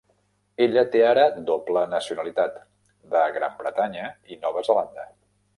Ella té ara doble nacionalitat de Gran Bretanya i Nova Zelanda.